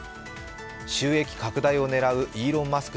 収益拡大を狙うイーロン・マスク